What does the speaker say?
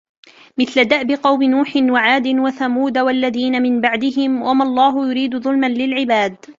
مثل دأب قوم نوح وعاد وثمود والذين من بعدهم وما الله يريد ظلما للعباد